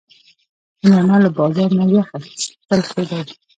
هندوانه له بازار نه یخ اخیستل ښه دي.